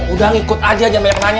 udah ngikut aja jangan banyak nanya